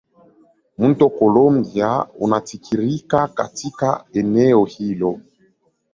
Mto Columbia unatiririka katika eneo hilo.